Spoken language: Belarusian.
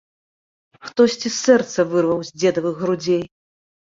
Хтосьці сэрца вырваў з дзедавых грудзей.